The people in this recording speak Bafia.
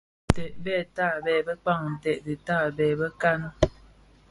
Ntèd bè tabèè bëkpaň nted dhi tabèè bëkan.